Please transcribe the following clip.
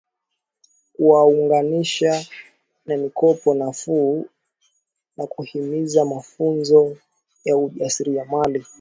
Kuwaunganisha na mikopo nafuu na kuhimiza mafunzo ya ujasiriamali